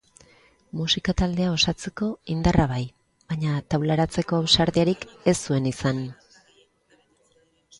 Musika taldea osatzeko indarra bai, baina taularatzeko ausardiarik ez zuen izan.